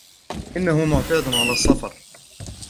إنه معتاد على السفر.